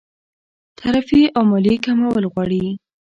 تعرفې او مالیې کمول غواړي.